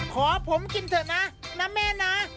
ขอผมกินเถอะนะแม่นะ